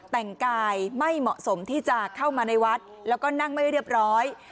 แต่งกายไม่เหมาะสมที่จะเข้ามาในวัดแล้วก็นั่งไม่เรียบร้อย